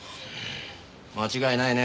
間違いないね。